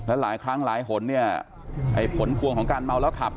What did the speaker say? หลายครั้งหลายหนเนี่ยไอ้ผลพวงของการเมาแล้วขับ